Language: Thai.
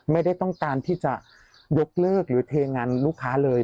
ไม่ได้ต้องการที่จะยกเลิกหรือเทงานลูกค้าเลย